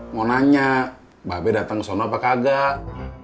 mau nanya mbak pe dateng kesana apa kagak